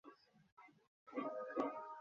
সমস্ত দিন তো কোনো প্রকারে কাটিয়া গেল।